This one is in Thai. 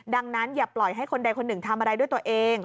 ดังนั้นอย่าปล่อยให้คนใดคนหนึ่งทำอะไรด้วยตัวเอง